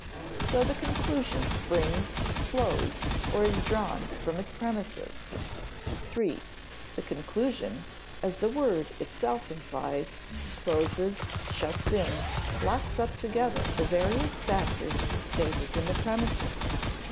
So the conclusion springs, flows, or is drawn from its premises. (3) The conclusion as the word itself implies closes, shuts in, locks up together the various factors stated in the premises.